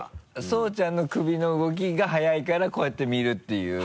爽ちゃんの首の動きが速いからこうやって見るっていう。